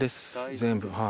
全部はい。